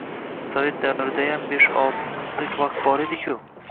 Sovet davridayam besh-olti minutlik vaqt bor edi-ku?